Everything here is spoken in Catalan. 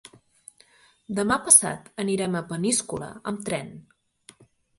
Demà passat anirem a Peníscola amb tren.